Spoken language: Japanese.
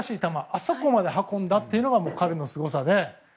あそこまで運んだというのは彼のすごさで。